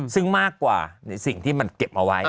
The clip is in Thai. ซึ่งมากกว่าในสิ่งที่มันเก็บเอาไว้